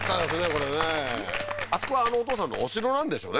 これねうんあそこはあのお父さんのお城なんでしょうね